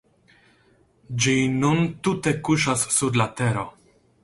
Ĝi nun tute kuŝas sur la tero.